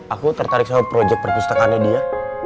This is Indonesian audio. aku tertarik sama proyek perpustakaannya dia